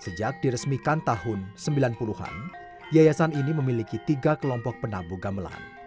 sejak diresmikan tahun sembilan puluh an yayasan ini memiliki tiga kelompok penabuh gamelan